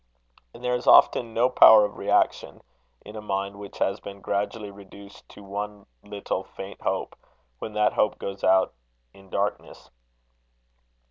And there is often no power of reaction, in a mind which has been gradually reduced to one little faint hope, when that hope goes out in darkness.